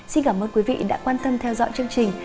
xin cảm ơn quý vị đã quan tâm theo dõi chương trình